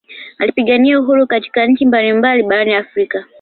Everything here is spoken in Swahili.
Alipigania uhuru katika nchi mbali mbali barani Afrika